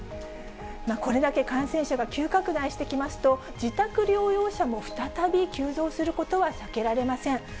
これだけ感染者が急拡大してきますと、自宅療養者も再び急増することは避けられません。